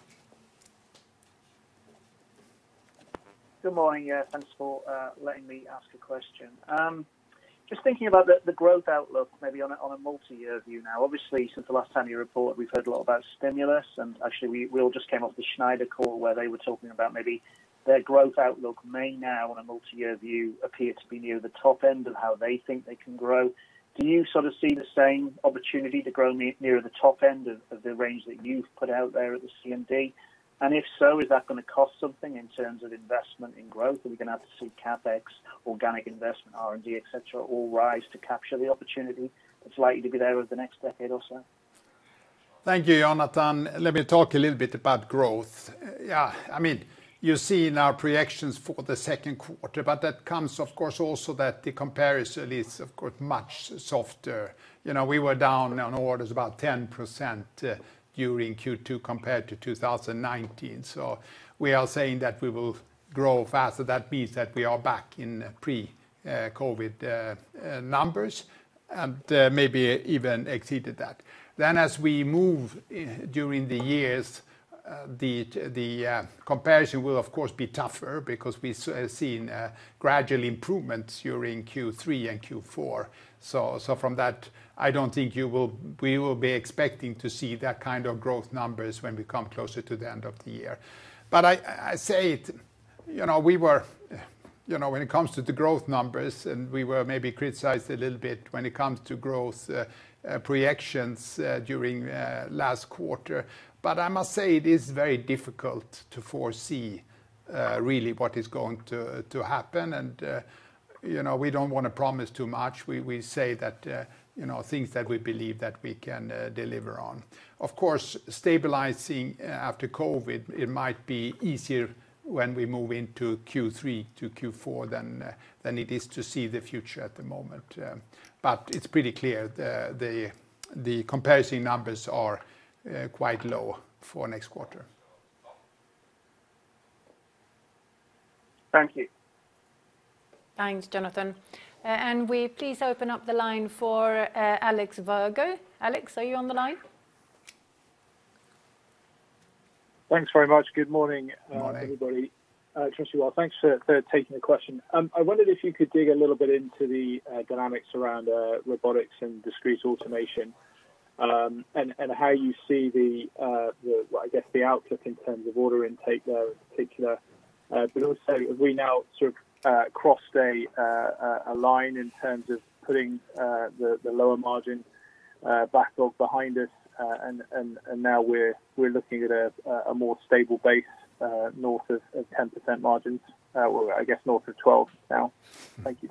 Good morning. Thanks for letting me ask a question. Just thinking about the growth outlook, maybe on a multi-year view now. Obviously, since the last time you reported, we've heard a lot about stimulus, and actually we all just came off the Schneider call where they were talking about maybe their growth outlook may now, on a multi-year view, appear to be near the top end of how they think they can grow. Do you sort of see the same opportunity to grow near the top end of the range that you've put out there at the CMD? If so, is that going to cost something in terms of investment in growth? Are we going to have to see CapEx, organic investment, R&D, et cetera, all rise to capture the opportunity that's likely to be there over the next decade or so? Thank you, Jonathan. Let me talk a little bit about growth. You see in our projections for the second quarter, but that comes, of course, also that the comparison is much softer. We were down on orders about 10% during Q2 compared to 2019. We are saying that we will grow faster. That means that we are back in pre-COVID numbers, and maybe even exceeded that. As we move during the years, the comparison will, of course, be tougher because we're seeing gradual improvements during Q3 and Q4. From that, I don't think we will be expecting to see that kind of growth numbers when we come closer to the end of the year. when it comes to the growth numbers, and we were maybe criticized a little bit when it comes to growth projections during last quarter, but I must say it is very difficult to foresee really what is going to happen, and we don't want to promise too much. We say things that we believe that we can deliver on. Of course, stabilizing after COVID, it might be easier when we move into Q3 to Q4 than it is to see the future at the moment. it's pretty clear, the comparison numbers are quite low for next quarter. Thank you. Thanks, Jonathan. May we please open up the line for Alexander Virgo. Alex, are you on the line? Thanks very much. Good morning Morning Everybody. Thanks for taking the question. I wondered if you could dig a little bit into the dynamics around robotics and discrete automation, and how you see the outlook in terms of order intake there in particular. Also, have we now sort of crossed a line in terms of putting the lower margin backlog behind us, and now we're looking at a more stable base, north of 10% margins? I guess north of 12 now. Thank you.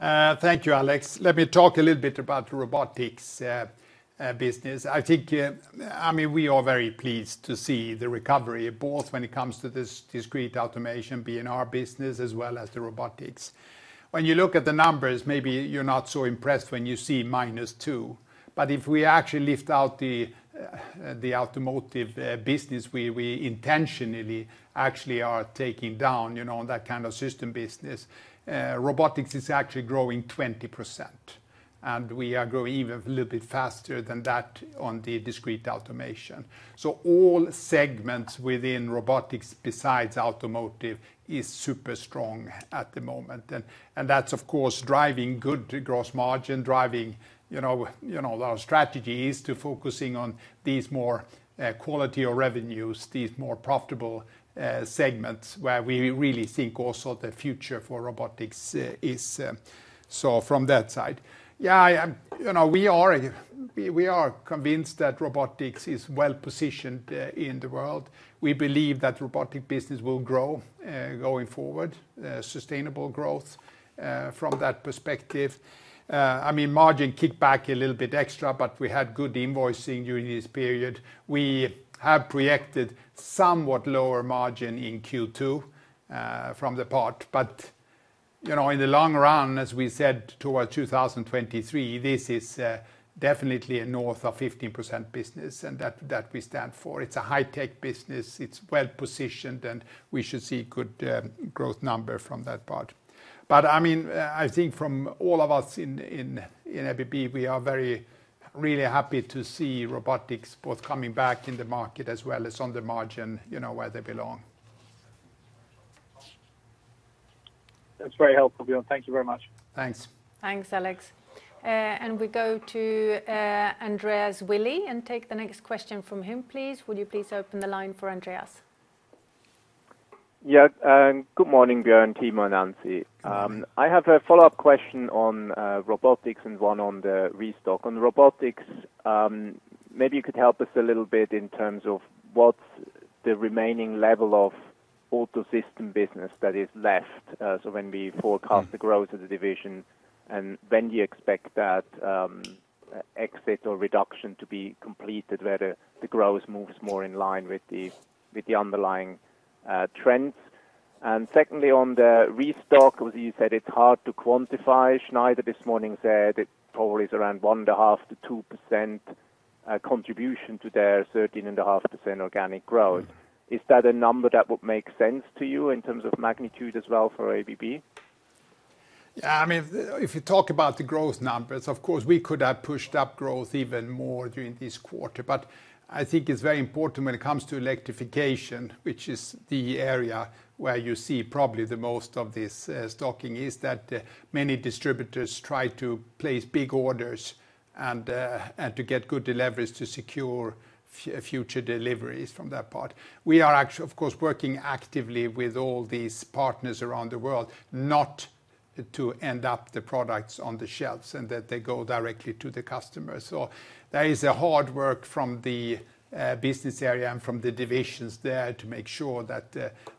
Thank you, Alex. Let me talk a little bit about the robotics business. We are very pleased to see the recovery, both when it comes to this discrete automation B&R business, as well as the robotics. When you look at the numbers, maybe you're not so impressed when you see minus two. If we actually lift out the automotive business, we intentionally actually are taking down that kind of system business. Robotics is actually growing 20%, and we are growing even a little bit faster than that on the discrete automation. All segments within robotics, besides automotive, is super strong at the moment. That's, of course, driving good gross margin. Our strategy is to focusing on these more quality of revenues, these more profitable segments where we really think also the future for robotics is. From that side. We are convinced that robotics is well-positioned in the world. We believe that robotic business will grow going forward, sustainable growth from that perspective. Margin kicked back a little bit extra, but we had good invoicing during this period. We have projected somewhat lower margin in Q2 from the part, but in the long run, as we said, towards 2023, this is definitely a north of 15% business, and that we stand for. It's a high-tech business. It's well-positioned, and we should see good growth number from that part. I think from all of us in ABB, we are really happy to see robotics both coming back in the market as well as on the margin, where they belong. That's very helpful, Björn. Thank you very much. Thanks. Thanks, Alex. We go to Andreas Willi, and take the next question from him, please. Would you please open the line for Andreas? Yes. Good morning, Björn, Timo, and Ann-Sofie. Yes. I have a follow-up question on robotics and one on the restock. On robotics, maybe you could help us a little bit in terms of what's the remaining level of auto system business that is left, so when we forecast the growth of the division, and when do you expect that exit or reduction to be completed, whether the growth moves more in line with the underlying trends? secondly, on the restock, you said it's hard to quantify. Schneider this morning said it probably is around 1.5-2% contribution to their 13.5% organic growth. Is that a number that would make sense to you in terms of magnitude as well for ABB? If you talk about the growth numbers, of course, we could have pushed up growth even more during this quarter. I think it's very important when it comes to electrification, which is the area where you see probably the most of this stocking, is that many distributors try to place big orders and to get good leverage to secure future deliveries from that part. We are, of course, working actively with all these partners around the world, not to end up the products on the shelves, and that they go directly to the customers. That is the hard work from the business area and from the divisions there to make sure that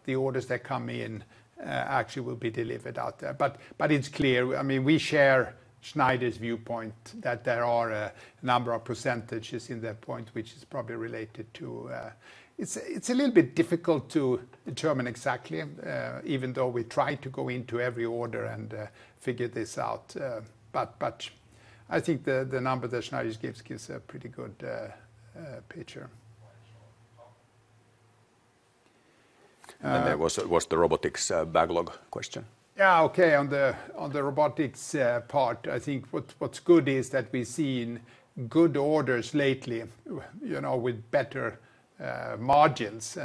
the orders that come in actually will be delivered out there. it's clear, we share Schneider's viewpoint that there are a number of percentages in that point, which is probably related to. It's a little bit difficult to determine exactly, even though we try to go into every order and figure this out. I think the number that Schneider gives gives a pretty good picture. There was the robotics backlog question. Yeah. Okay, on the robotics part, I think what's good is that we've seen good orders lately, with better margins.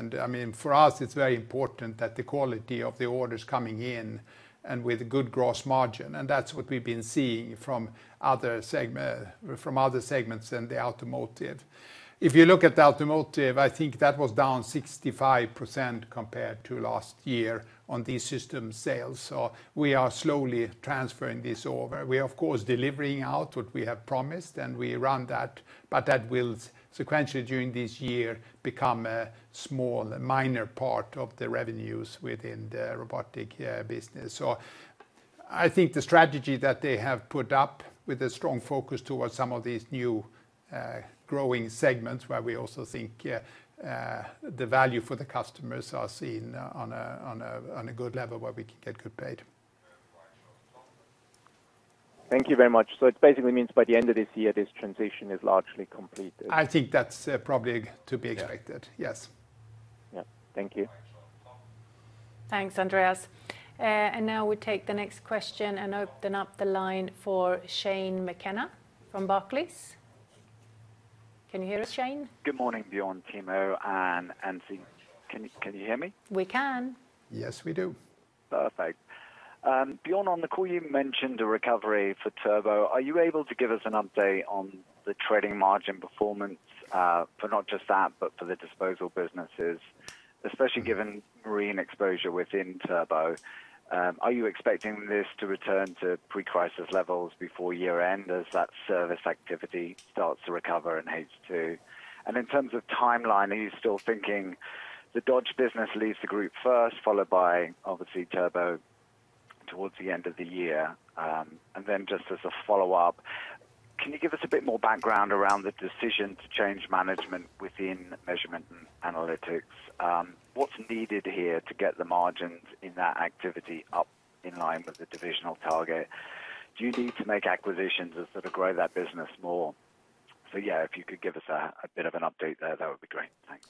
For us, it's very important that the quality of the orders coming in, and with good gross margin, and that's what we've been seeing from other segments than the automotive. If you look at the automotive, I think that was down 65% compared to last year on these system sales. We are slowly transferring this over. We are, of course, delivering out what we have promised, and we run that, but that will sequentially, during this year, become a small, minor part of the revenues within the robotic business. I think the strategy that they have put up, with a strong focus towards some of these new growing segments, where we also think the value for the customers are seen on a good level where we can get good paid. Thank you very much. It basically means by the end of this year, this transition is largely completed? I think that's probably to be expected. Yes. Yeah. Thank you. Thanks, Andreas. Now we take the next question and open up the line for Shane McKenna from Barclays. Can you hear us, Shane? Good morning, Björn, Timo, and Ann-Sofie. Can you hear me? We can. Yes, we do. Perfect. Björn, on the call, you mentioned a recovery for Turbocharging. Are you able to give us an update on the trading margin performance for not just that, but for the disposal businesses? Especially given marine exposure within Turbocharging, are you expecting this to return to pre-crisis levels before year-end as that service activity starts to recover in H2? In terms of timeline, are you still thinking the Dodge business leaves the group first, followed by, obviously, Turbocharging towards the end of the year? Just as a follow-up, can you give us a bit more background around the decision to change management within Measurement & Analytics? What's needed here to get the margins in that activity up in line with the divisional target? Do you need to make acquisitions and sort of grow that business more? yeah, if you could give us a bit of an update there, that would be great. Thanks.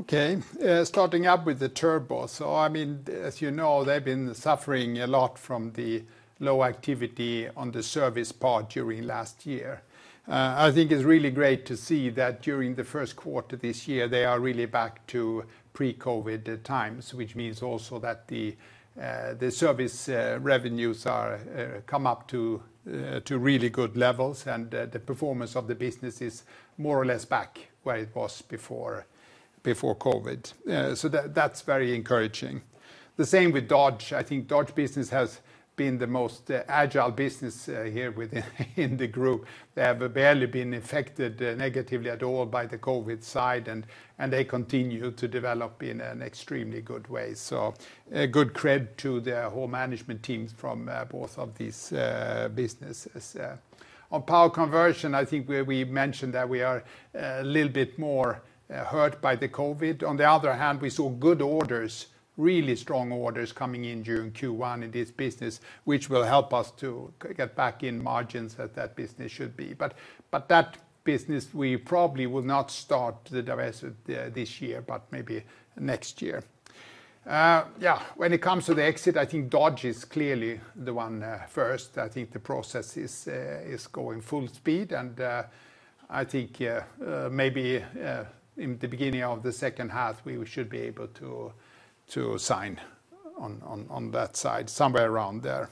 Okay. Starting up with the Turbocharging. As you know, they've been suffering a lot from the low activity on the service part during last year. I think it's really great to see that during the first quarter this year, they are really back to pre-COVID times. Which means also that the service revenues are come up to really good levels, and the performance of the business is more or less back where it was before COVID. That's very encouraging. The same with Dodge. I think Dodge business has been the most agile business here within the group. They have barely been affected negatively at all by the COVID side, and they continue to develop in an extremely good way. Good cred to their whole management teams from both of these businesses. On Power Conversion, I think we mentioned that we are a little bit more hurt by the COVID. On the other hand, we saw good orders, really strong orders, coming in during Q1 in this business, which will help us to get back in margins that business should be. that business, we probably will not start the divest this year, but maybe next year. When it comes to the exit, I think Dodge is clearly the one first. I think the process is going full speed, and I think maybe in the beginning of the second half, we should be able to sign on that side, somewhere around there.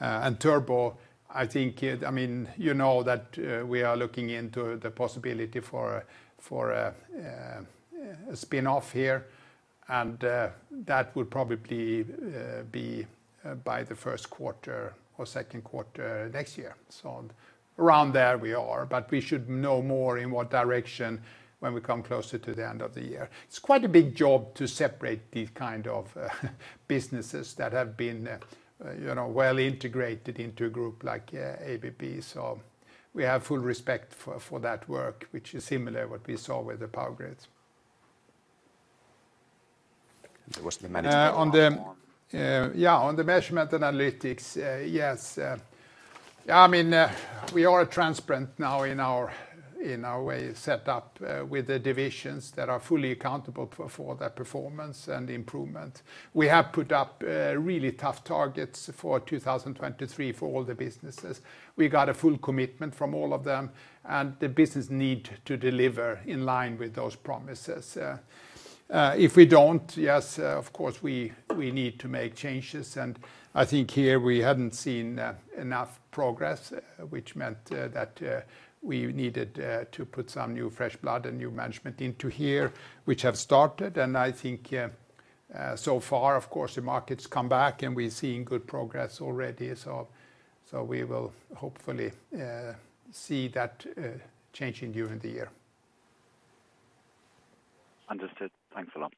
Turbocharging, you know that we are looking into the possibility for a spin-off here, and that would probably be by the first quarter or second quarter next year. around there we are, but we should know more in what direction when we come closer to the end of the year. It's quite a big job to separate these kind of businesses that have been well integrated into a group like ABB. we have full respect for that work, which is similar what we saw with the Power Grids. There was the management platform. Yeah, on the Measurement Analytics, yes. We are transparent now in our way set up with the divisions that are fully accountable for their performance and improvement. We have put up really tough targets for 2023 for all the businesses. We got a full commitment from all of them, and the business need to deliver in line with those promises. If we don't, yes, of course, we need to make changes, and I think here we haven't seen enough progress, which meant that we needed to put some new fresh blood and new management into here, which have started, and I think so far, of course, the market's come back, and we're seeing good progress already. We will hopefully see that changing during the year. Understood. Thanks a lot.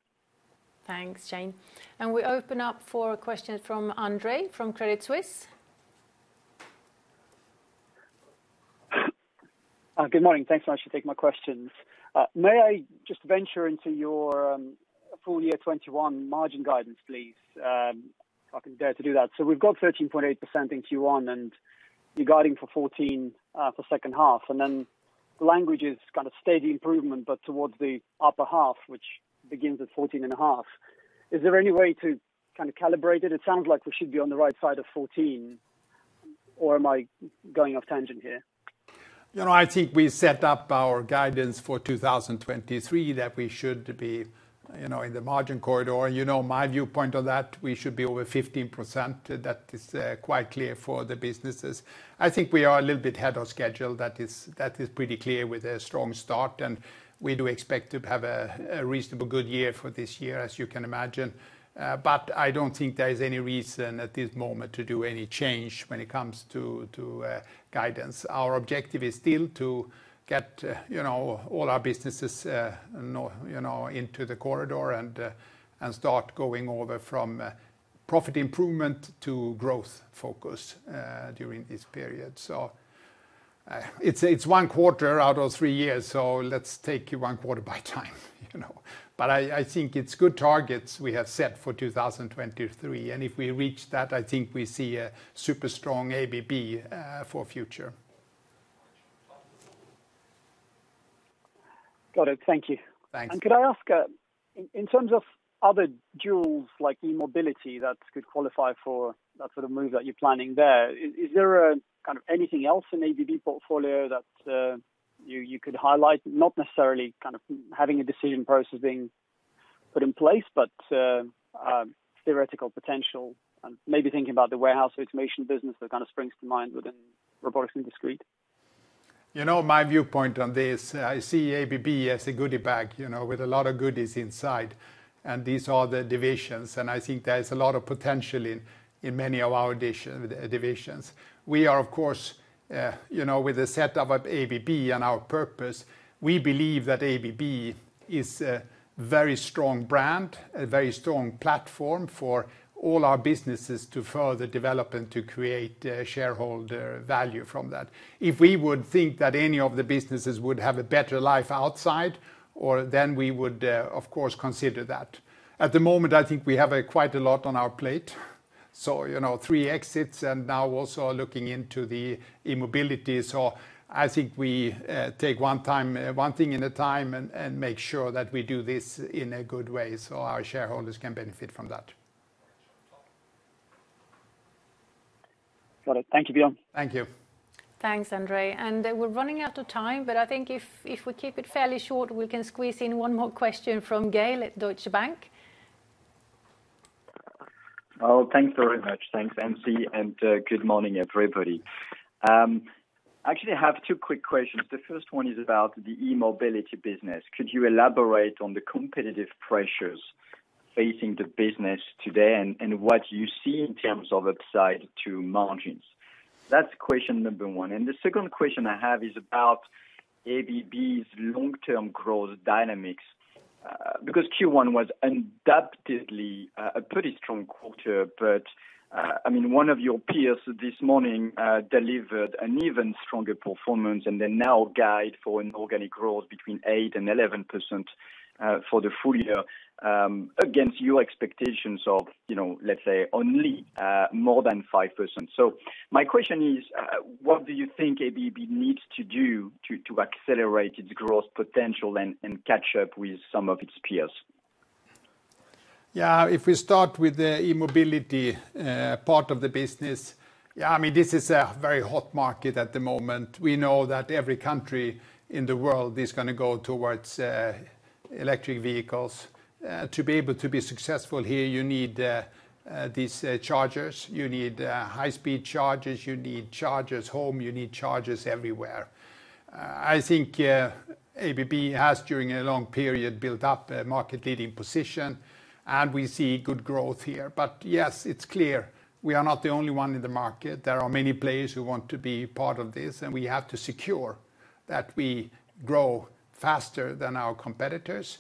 Thanks, Shane. We open up for questions from Andre from Credit Suisse. Good morning. Thanks so much for taking my questions. May I just venture into your full year 2021 margin guidance, please? If I can dare to do that. We've got 13.8% in Q1, and you're guiding for 14 for second half, and then the language is kind of steady improvement, but towards the upper half, which begins at 14 and a half. Is there any way to kind of calibrate it? It sounds like we should be on the right side of 14, or am I going off tangent here? No, I think we set up our guidance for 2023 that we should be in the margin corridor. You know my viewpoint on that, we should be over 15%. That is quite clear for the businesses. I think we are a little bit ahead of schedule. That is pretty clear with a strong start, and we do expect to have a reasonably good year for this year, as you can imagine. I don't think there is any reason at this moment to do any change when it comes to guidance. Our objective is still to get all our businesses into the corridor and start going over from profit improvement to growth focus during this period. It's one quarter out of three years, so let's take it one quarter at a time. I think it's good targets we have set for 2023, and if we reach that, I think we see a super strong ABB for future. Got it. Thank you. Thanks. Could I ask, in terms of other jewels like E-Mobility that could qualify for that sort of move that you're planning there, is there anything else in ABB portfolio that you could highlight? Not necessarily having a decision process being put in place, but theoretical potential, and maybe thinking about the warehouse automation business that springs to mind within robotics and discrete? My viewpoint on this, I see ABB as a goodie bag with a lot of goodies inside, and these are the divisions, and I think there's a lot of potential in many of our divisions. We are, of course, with the setup of ABB and our purpose, we believe that ABB is a very strong brand, a very strong platform for all our businesses to further develop and to create shareholder value from that. If we would think that any of the businesses would have a better life outside, then we would, of course, consider that. At the moment, I think we have quite a lot on our plate. Three exits and now also are looking into the E-Mobility. I think we take one thing at a time and make sure that we do this in a good way so our shareholders can benefit from that. Got it. Thank you, Björn. Thank you. Thanks, Andreas. We're running out of time, but I think if we keep it fairly short, we can squeeze in one more question from Gael at Deutsche Bank. Oh, thanks very much. Thanks, Ann-Sofie, and good morning, everybody. I actually have two quick questions. The first one is about the E-Mobility business. Could you elaborate on the competitive pressures facing the business today, and what you see in terms of upside to margins? That's question number one. The second question I have is about ABB's long-term growth dynamics, because Q1 was undoubtedly a pretty strong quarter, but one of your peers this morning delivered an even stronger performance, and they now guide for an organic growth between 8% and 11% for the full year, against your expectations of, let's say, only more than 5%. My question is, what do you think ABB needs to do to accelerate its growth potential and catch up with some of its peers? Yeah, if we start with the e-mobility part of the business, this is a very hot market at the moment. We know that every country in the world is going to go towards electric vehicles. To be able to be successful here, you need these chargers, you need high-speed chargers, you need chargers home, you need chargers everywhere. I think ABB has, during a long period, built up a market-leading position, and we see good growth here. yes, it's clear we are not the only one in the market. There are many players who want to be part of this, and we have to secure that we grow faster than our competitors.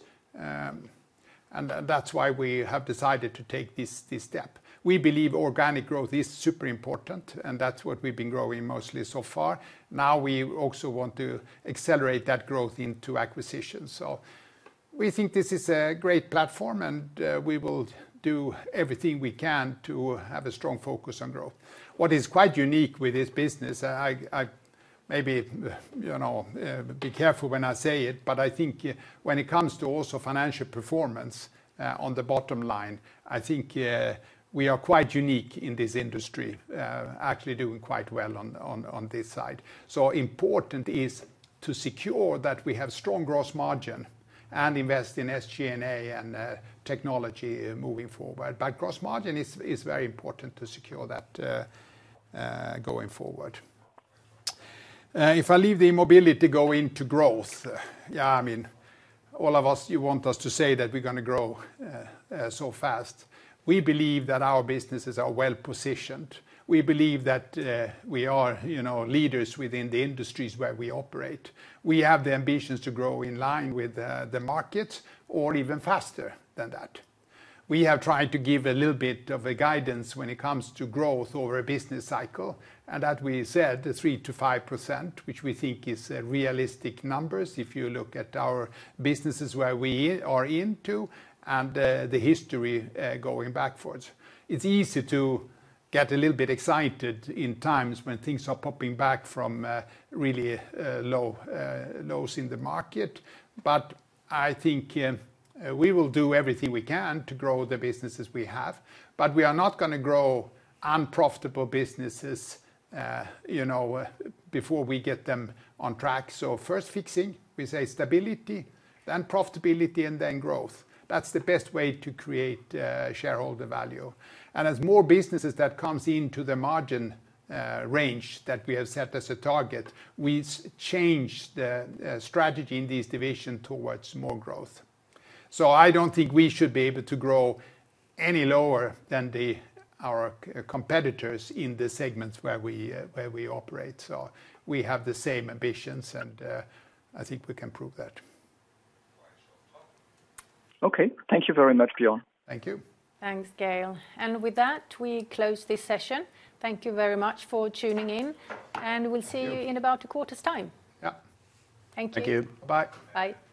that's why we have decided to take this step. We believe organic growth is super important, and that's what we've been growing mostly so far. Now we also want to accelerate that growth into acquisitions. We think this is a great platform, and we will do everything we can to have a strong focus on growth. What is quite unique with this business, I may be careful when I say it, but I think when it comes to also financial performance on the bottom line, I think we are quite unique in this industry, actually doing quite well on this side. Important is to secure that we have strong gross margin and invest in SG&A and technology moving forward. Gross margin is very important to secure that going forward. If I leave the E-Mobility, go into growth, all of us, you want us to say that we're going to grow so fast. We believe that our businesses are well-positioned. We believe that we are leaders within the industries where we operate. We have the ambitions to grow in line with the market or even faster than that. We have tried to give a little bit of a guidance when it comes to growth over a business cycle, and that we said 3%-5%, which we think is realistic numbers if you look at our businesses where we are into and the history going backwards. It's easy to get a little bit excited in times when things are popping back from really lows in the market. I think we will do everything we can to grow the businesses we have, but we are not going to grow unprofitable businesses before we get them on track. First fixing, we say stability, then profitability, and then growth. That's the best way to create shareholder value. As more businesses that comes into the margin range that we have set as a target, we change the strategy in this division towards more growth. I don't think we should be able to grow any lower than our competitors in the segments where we operate. we have the same ambitions, and I think we can prove that. Okay. Thank you very much, Björn. Thank you. Thanks, Gael. With that, we close this session. Thank you very much for tuning in, and we'll see you in about a quarter's time. Yeah. Thank you. Thank you. Bye. Bye.